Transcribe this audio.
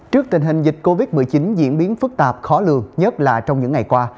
trước tình hình dịch covid một mươi chín diễn biến phức tạp khó lường nhất là trong những ngày qua